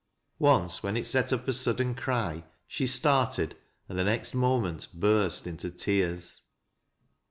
Once, when it set up a sudden cry, she started, and the next moment burst into tears.